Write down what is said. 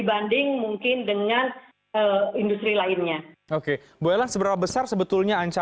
kami tetap yakin bahwa pusat belanja bisa memberikan kepentingan yang sangat besar